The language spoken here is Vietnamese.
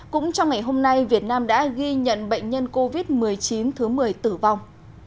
cũng trong ngày hôm nay việt nam đã ghi nhận bệnh nhân covid một mươi chín thứ một mươi tử vong